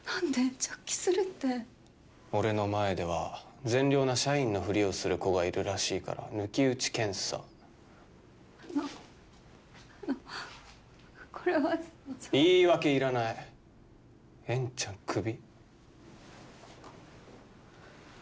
直帰するって俺の前では善良な社員のふりをする子がいるらしいから抜き打ち検査あのあのこれは言い訳いらない円ちゃんクビ